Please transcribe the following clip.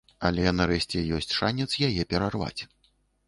Але нарэшце ёсць шанец яе перарваць.